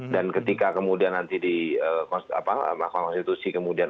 dan ketika kemudian nanti di konstitusi kemudian